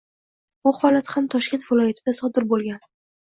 Bu holat ham Toshkent viloyatida sodir bo‘lgan.